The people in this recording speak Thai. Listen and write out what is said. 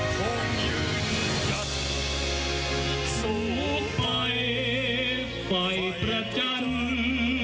รอที่รวมยื่นยัดสูบไปปล่อยประจันทร์